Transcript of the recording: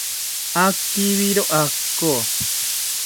Akibiro ako